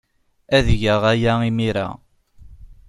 Ad geɣ aya imir-a.